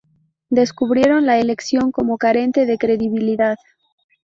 Describieron la elección como carente de credibilidad.